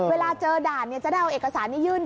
เวลาเจอด่านจะได้เอาเอกสารนี้ยื่น